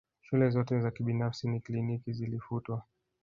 Shule zote za kibinafsi na kliniki zilifutwa